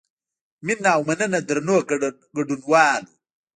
مینه او مننه درنو ګډونوالو.